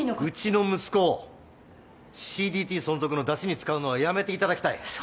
うちの息子をＣＤＴ存続のだしに使うのはやめていただきたい。